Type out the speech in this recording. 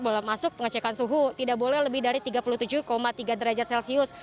boleh masuk pengecekan suhu tidak boleh lebih dari tiga puluh tujuh tiga derajat celcius